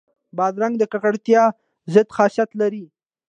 بادرنګ د ککړتیا ضد خاصیت لري.